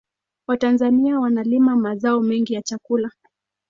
watanzania wanalima mazao mengi ya chakula